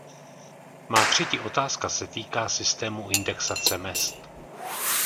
Má třetí otázka se týká systému indexace mezd.